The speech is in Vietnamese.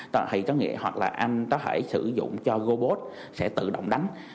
thì có nghĩa hoặc là anh có thể sử dụng cho robot sẽ tự động đánh